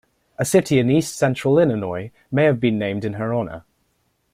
A city in East Central Illinois may have been named in her honor.